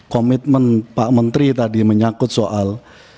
komitmen pak menteri tadi menyakut soal